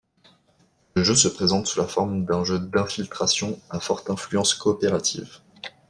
Le jeu se présente sous la forme d'un jeu d'infiltration à forte influence coopérative.